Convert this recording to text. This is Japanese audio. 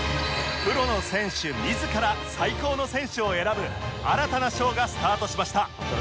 プロの選手自ら最高の選手を選ぶ新たな賞がスタートしました